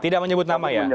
tidak menyebut nama ya